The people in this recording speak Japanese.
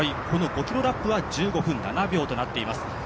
この５ｋｍラップは１５分７秒となっています。